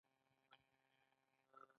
نوې اړیکې د زړو او پخوانیو اړیکو ځای نیسي.